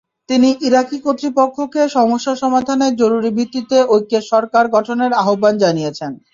তিনি ইরাকি কর্তৃপক্ষকে সমস্যা সমাধানে জরুরি ভিত্তিতে ঐক্যের সরকার গঠনের আহ্বান জানিয়েছেন।